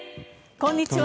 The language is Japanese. こんにちは。